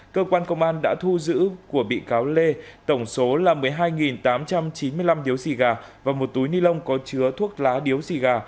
cơ quan công an đã thu giữ của bị cáo lê tổng số là một mươi hai tám trăm chín mươi năm điếu xì gà và một túi ni lông có chứa thuốc lá điếu xì gà